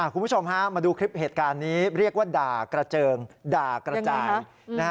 คุณผู้ชมฮะมาดูคลิปเหตุการณ์นี้เรียกว่าด่ากระเจิงด่ากระจายนะฮะ